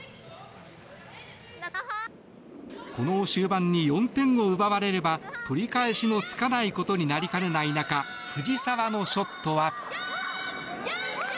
この終盤に４点を奪われれば取り返しのつかないことになりかねない中藤澤のショットは。